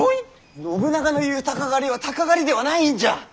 信長の言う鷹狩りは鷹狩りではないんじゃ！